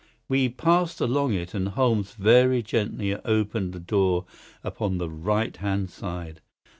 We passed along it, and Holmes very gently opened a door upon the right hand side.